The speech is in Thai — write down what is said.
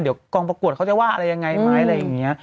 เดี๋ยวกองประกวดเขาจะว่ายังไงอะไรอย่างเงี้ย